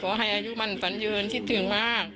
ค่ะเออขอให้อายุมั่นฝันเยินคิดถึงมาก